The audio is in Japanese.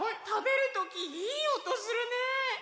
たべるときいいおとするね。